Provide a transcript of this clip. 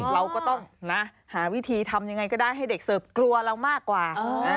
เราก็ต้องหาวิธีทำยังไงก็ได้ให้เด็กเสิร์ฟกลัวเรามากกว่า